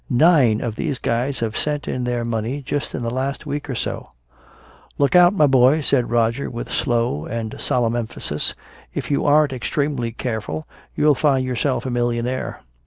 Nine of these guys have sent in their money just in the last week or so " "Look out, my boy," said Roger, with slow and solemn emphasis. "If you aren't extremely careful you'll find yourself a millionaire."